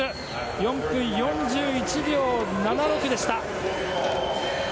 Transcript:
４秒４１秒７６でした。